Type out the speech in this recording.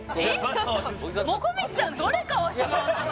ちょっともこみちさんどれ買わしてもらったの？